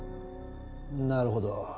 なるほど。